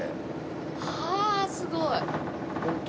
はあすごい。